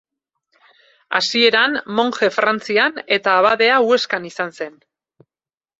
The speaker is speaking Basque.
Hasieran monje Frantzian eta abadea Huescan izan zen.